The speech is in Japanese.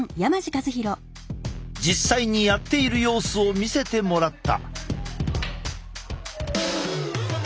実際にやっている様子を見せてもらった。